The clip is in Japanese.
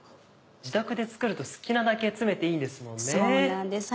自宅で作ると好きなだけ詰めていいんですもんね。